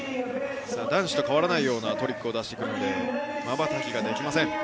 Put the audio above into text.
男子と変わらないようなトリックを出してくるので、まばたきができません。